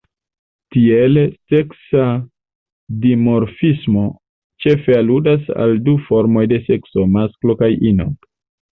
Tiele, seksa dimorfismo ĉefe aludas al du formoj de sekso, masklo kaj ino.